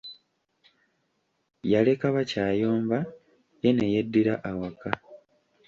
Yaleka bakyayomba ye ne yeddira awaka.